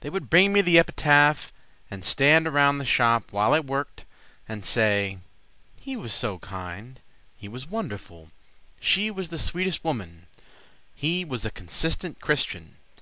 They would bring me the epitaph And stand around the shop while I worked And say "He was so kind," "He was so wonderful," "She was the sweetest woman," "He was a consistent Christian."